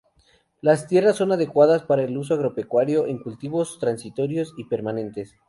Las tierras son adecuadas para el uso agropecuario, en cultivos transitorios y permanentes.